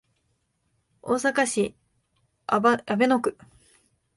大阪市阿倍野区